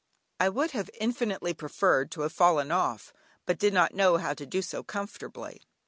I would have infinitely preferred to have fallen off, but did not know how to do so comfortably.